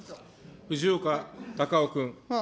藤岡隆雄君。